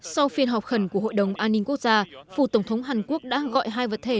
sau phiên họp khẩn của hội đồng an ninh quốc gia phủ tổng thống hàn quốc đã gọi hai vật thể